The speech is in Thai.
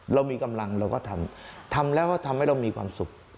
เรามีกำลังเราก็ทำทำแล้วก็ทำให้เรามีความสุข